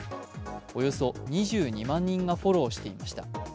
およそ２２万人がフォローしていました。